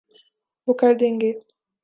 وہ کر دیں گے۔